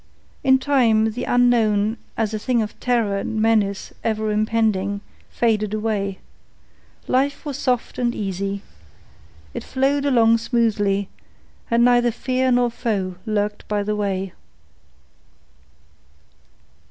In time, the unknown, as a thing of terror and menace ever impending, faded away. Life was soft and easy. It flowed along smoothly, and neither fear nor foe lurked by the way.